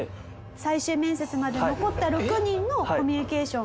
最終面接まで残った６人のコミュニケーション。